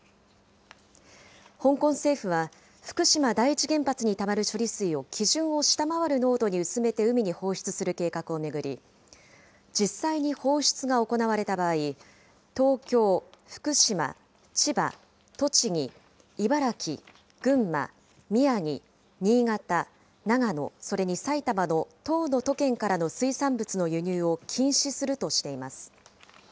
香港政府は、福島第一原発にたまる処理水を基準を下回る濃度に薄めて海に放出する計画を巡り、実際に放出が行われた場合、東京、福島、千葉、栃木、茨城、群馬、宮城、新潟、長野、それに埼玉の１０の都県からの水産物の輸入を禁止するとしています。